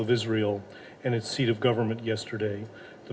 kota israel dan tempat pemerintahnya